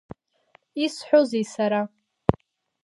Исҳәозеи сара?